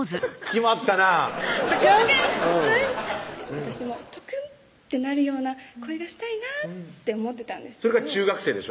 私もトクン！ってなるような恋がしたいなぁって思ってたんですけどそれが中学生でしょ？